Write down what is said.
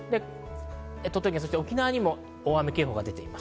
鳥取、沖縄にも大雨警報が出ています。